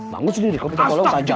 bangun sini di kapitang kalau usah aja